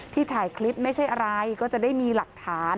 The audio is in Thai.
ถ่ายคลิปไม่ใช่อะไรก็จะได้มีหลักฐาน